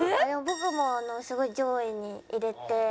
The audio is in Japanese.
僕もすごい上位に入れて。